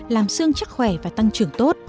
làm xương chắc khỏe và tăng trưởng tốt